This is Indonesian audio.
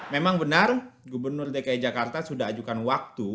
memang benar gubernur dki jakarta sudah ajukan waktu